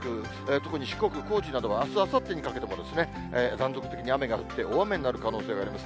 特に四国、高知などはあす、あさってにかけても、断続的に雨が降って、大雨になる可能性があります。